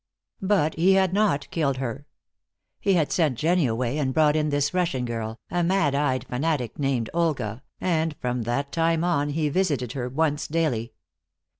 But he had not killed her. He had sent Jennie away and brought in this Russian girl, a mad eyed fanatic named Olga, and from that time on he visited her once daily.